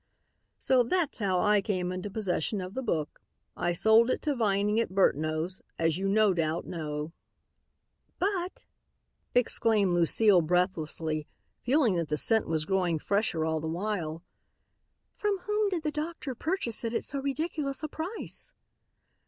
"So that's how I came into possession of the book. I sold it to Vining at Burtnoe's, as you no doubt know." "But," exclaimed Lucile breathlessly, feeling that the scent was growing fresher all the while, "from whom did the doctor purchase it at so ridiculous a price?"